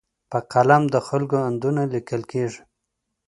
په قلم د خلکو اندونه لیکل کېږي.